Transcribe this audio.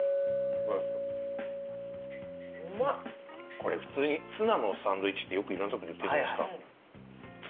これ普通にツナのサンドイッチってよくいろんなとこに売ってるじゃないですか。